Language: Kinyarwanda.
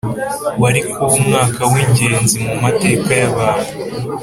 wari kuba umwaka w ingenzi mu mateka y abantu